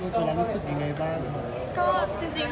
จะรับรู้ความรู้ถึงอย่างไรบ้าง